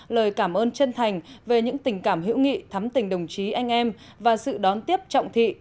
lời cảm ơn chân thành về những tình cảm hữu nghị thắm tình đồng chí anh em và sự đón tiếp trọng thị